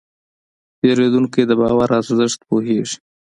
پیرودونکی د باور ارزښت پوهېږي.